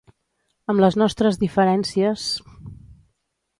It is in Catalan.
Amb les nostres diferències...